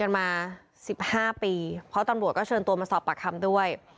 กินกันมาสิบห้าปีเพราะตังบวชก็เชิญตัวมาสอบปากคำด้วย